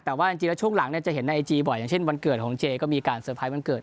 แต่ว่าจริงแล้วช่วงหลังจะเห็นในไอจีบ่อยอย่างเช่นวันเกิดของเจก็มีการเตอร์ไพรสวันเกิด